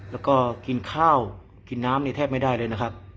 แล้วก็กินข้าวกินน้ำนี่แทบไม่ได้เลยนะครับ